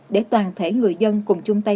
để toàn thể người dân cùng chung tay